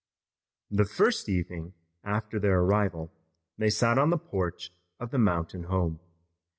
The first evening after their arrival they sat on the porch of the mountain home.